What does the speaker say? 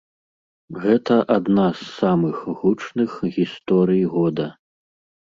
Гэта адна з самых гучных гісторый года.